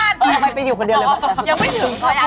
รำคาญไปอยู่คนเดียวเลยหมด